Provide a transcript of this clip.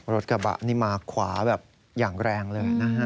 รถกระบะนี่มาขวาแบบอย่างแรงเลยนะฮะ